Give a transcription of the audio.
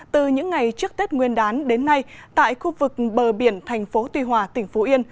từ những ngày trước tết nguyên đán đến nay tại khu vực bờ biển thành phố tuy hòa tỉnh phú yên